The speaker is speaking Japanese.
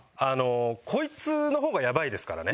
こいつの方がやばいですからね。